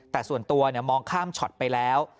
แต่ส่วนตัวมองข้ามช็อตไปแล้ว